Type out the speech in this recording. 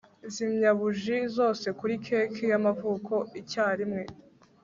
zimya buji zose kuri cake y'amavuko icyarimwe